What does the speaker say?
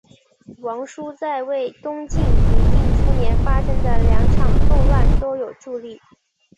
王舒在为东晋平定初年发生的两场动乱都有助力。